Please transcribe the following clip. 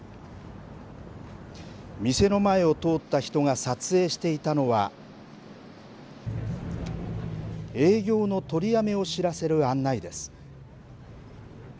店の前を通った人が撮影していたのは営業の取りやめを知らせる案内です。